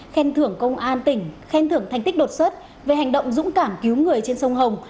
khen thưởng công an tỉnh khen thưởng thành tích đột xuất về hành động dũng cảm cứu người trên sông hồng